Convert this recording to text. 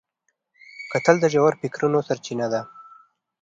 کتل د ژور فکرونو سرچینه ده